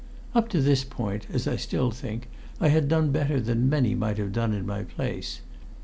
Up to this point, as I still think, I had done better than many might have done in my place.